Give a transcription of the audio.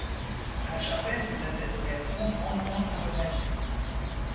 La chapelle fut à cette occasion grandement endommagée.